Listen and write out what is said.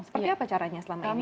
seperti apa caranya selama ini